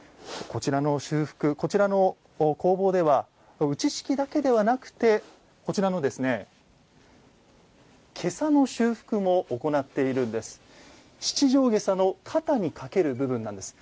こちらの工房では打敷だけではなくてこちらの袈裟の修復も行っているんです。